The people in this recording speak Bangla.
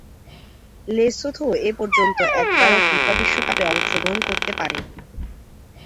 লেসোথো এপর্যন্ত একবারও ফিফা বিশ্বকাপে অংশগ্রহণ করতে পারেনি।